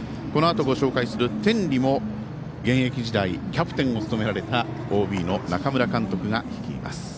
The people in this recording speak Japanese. このあとご紹介する天理も現役時代キャプテンを務められたＯＢの中村監督が率います。